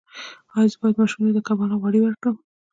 ایا زه باید ماشوم ته د کبانو غوړي ورکړم؟